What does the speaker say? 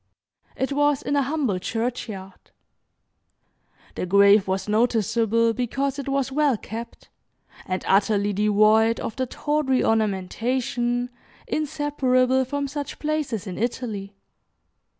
It was in a humble churchyard. The grave was noticeable because it was well kept, and utterly devoid of the tawdry ornamentation inseparable from such places in Italy.